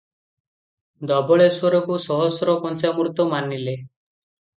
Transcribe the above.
ଧବଳେଶ୍ଵରଙ୍କୁ ସହସ୍ର ପଞ୍ଚାମୃତ ମାନିଲେ ।